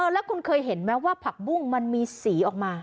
แล้วคุณเคยเห็นไหมว่าผักบุ้งมันมีสีออกมา